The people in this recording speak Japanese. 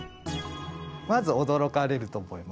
まず驚かれると思います。